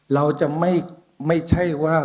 เราจะไม่ใช่ว่า